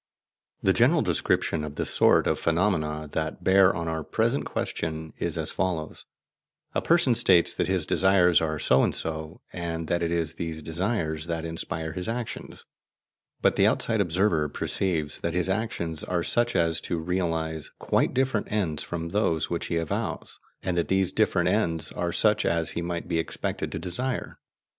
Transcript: The general description of the sort of phenomena that bear on our present question is as follows: A person states that his desires are so and so, and that it is these desires that inspire his actions; but the outside observer perceives that his actions are such as to realize quite different ends from those which he avows, and that these different ends are such as he might be expected to desire.